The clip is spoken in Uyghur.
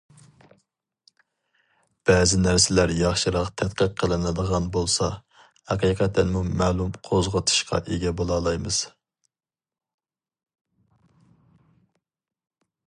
بەزى نەرسىلەر ياخشىراق تەتقىق قىلىنىدىغان بولسا، ھەقىقەتەنمۇ مەلۇم قوزغىتىشقا ئىگە بولالايمىز.